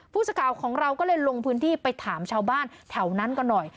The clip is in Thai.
ผู้สื่อข่าวของเราก็เลยลงพื้นที่ไปถามชาวบ้านแถวนั้นก็หน่อย